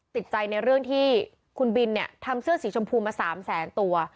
ติดใจในเรื่องที่คุณบินเนี่ยทำเสื้อสีชมพูมา๓แสนตัว